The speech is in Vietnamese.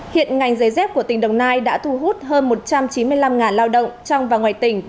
hiện ngành giấy dép của tỉnh đồng nai đã thu hút hơn một trăm chín mươi năm lao động trong và ngoài tỉnh